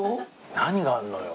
何があるのよ？